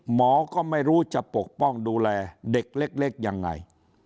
หมอก็ไม่รู้จะปกป้องดูแลเด็กเล็กยังไง